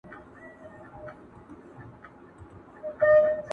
په اوومه ورځ موضوع له کوره بهر خپرېږي